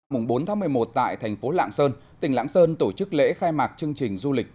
mùng bốn tháng một mươi một tại thành phố lạng sơn tỉnh lạng sơn tổ chức lễ khai mạc chương trình du lịch